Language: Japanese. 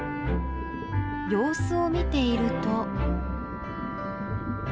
様子を見ていると。